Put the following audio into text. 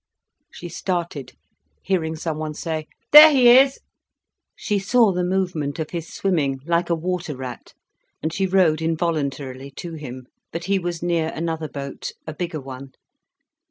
She started, hearing someone say: "There he is." She saw the movement of his swimming, like a water rat. And she rowed involuntarily to him. But he was near another boat, a bigger one.